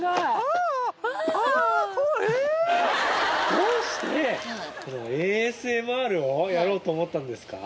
どうしてＡＳＭＲをやろうと思ったんですか？